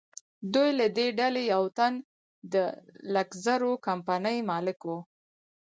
دوی له دې ډلې یو تن د لکزور کمپنۍ مالک و.